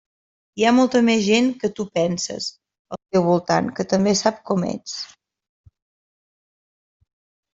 Hi ha molta més gent que tu penses, al teu voltant, que també sap com ets.